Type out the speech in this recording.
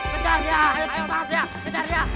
kejar dia ayo tangkap dia